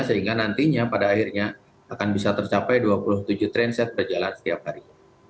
sehingga nantinya pada akhirnya akan bisa tercapai dua puluh tujuh trainset berjalan setiap hari